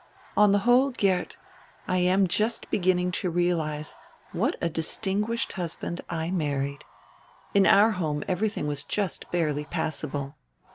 On the whole, Geert, I am just begin ning to realize what a distinguished husband I married. In our home everything was just barely passable."